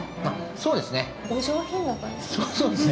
そうですね。